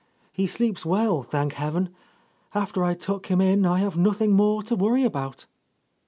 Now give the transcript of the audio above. He sleeps well, thank heaven! After I tuck him in, I have nothing more to worry about."